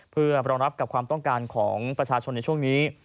เพื่อรองรับกับความต้องการของประชาชนในช่วงนี้